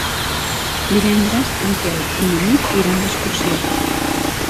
Divendres en Quel i na Nit iran d'excursió.